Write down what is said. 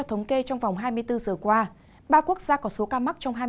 trong vòng hai mươi bốn giờ qua ba quốc gia có số ca mắc trong hai năm